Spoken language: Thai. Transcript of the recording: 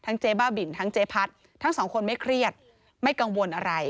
เจ๊บ้าบินทั้งเจ๊พัดทั้งสองคนไม่เครียดไม่กังวลอะไร